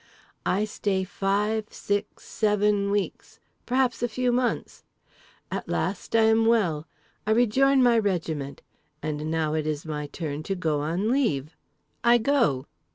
I stay five, six, seven weeks. Perhaps a few months. At last, I am well. I rejoin my regiment. And now it is my turn to go on leave. I go.